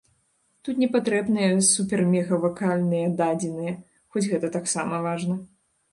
Тут не патрэбныя супермегавакальныя дадзеныя, хоць гэта таксама важна.